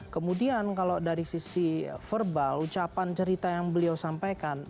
kemudian kalau dari sisi verbal ucapan cerita yang beliau sampaikan